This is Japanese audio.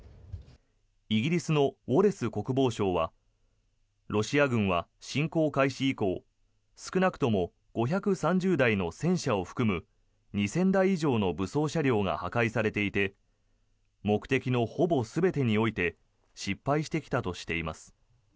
イギリスのウォレス国防相はロシア軍は侵攻開始以降少なくとも５３０台の戦車を含む２０００台以上の車両が破壊されていて目的のほぼ全てにおいて失敗してきたとしています。